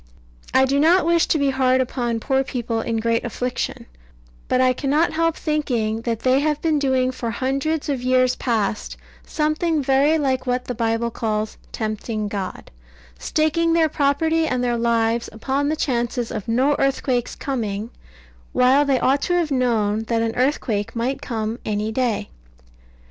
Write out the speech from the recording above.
I do not wish to be hard upon poor people in great affliction: but I cannot help thinking that they have been doing for hundreds of years past something very like what the Bible calls "tempting God" staking their property and their lives upon the chances of no earthquakes coming, while they ought to have known that an earthquake might come any day.